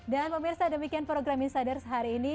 dan pemirsa demikian program insider sehari ini